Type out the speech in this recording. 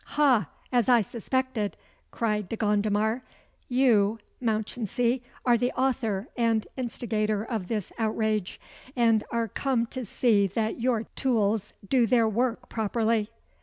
"Ha! as I suspected," cried De Gondomar. "You, Mounchensey, are the author and instigator of this outrage, and are come to see that your tools do their work properly."